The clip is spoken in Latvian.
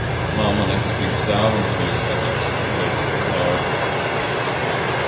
Mamma nekustīgi stāv un uz viņu skatās, liekas, ka cauri, nevis virsū.